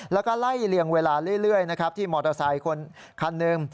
แล้วก็ไล่เลี่ยงเวลาเรื่อยนะครับที่มอเตอร์ไซค์คันหนึ่ง